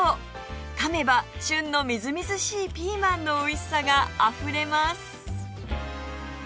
噛めば旬のみずみずしいピーマンのおいしさがあふれます